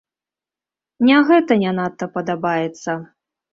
Не гэта не надта падабаецца.